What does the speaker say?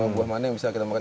buah mana yang bisa kita makan